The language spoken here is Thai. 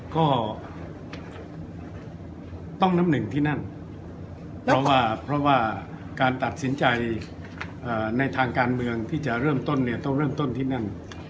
ก็ต้องน้ำหนึ่งที่นั่นเพราะว่าเพราะว่าการตัดสินใจในทางการเมืองที่จะเริ่มต้นเนี่ยต้องเริ่มต้นที่นั่น